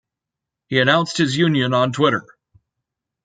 He announced his union on Twitter.